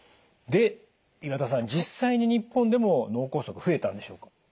で岩田さん実際に日本でも脳梗塞増えたんでしょうか？